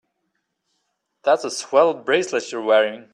That's a swell bracelet you're wearing.